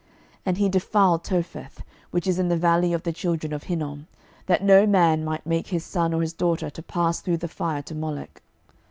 12:023:010 And he defiled Topheth, which is in the valley of the children of Hinnom, that no man might make his son or his daughter to pass through the fire to Molech.